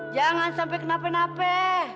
jangan sampai kenapa napa